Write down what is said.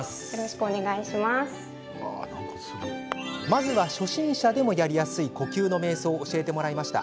まずは、初心者でもやりやすい呼吸の瞑想を教えてもらいました。